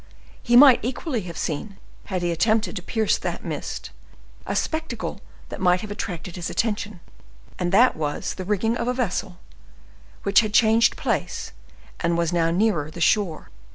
He might equally have seen, had he attempted to pierce that mist, a spectacle that might have attracted his attention; and that was the rigging of the vessel, which had changed place, and was now nearer the shore.